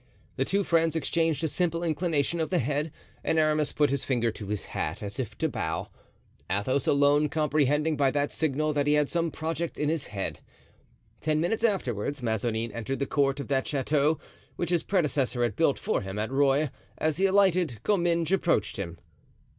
The two friends exchanged a simple inclination of the head and Aramis put his finger to his hat, as if to bow, Athos alone comprehending by that signal that he had some project in his head. Ten minutes afterward Mazarin entered the court of that chateau which his predecessor had built for him at Rueil; as he alighted, Comminges approached him.